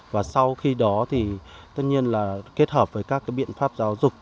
và sau khi đó thì tất nhiên là kết hợp với các cái biện pháp giáo dục